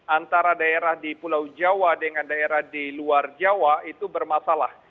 antara daerah di pulau jawa dengan daerah di luar jawa itu bermasalah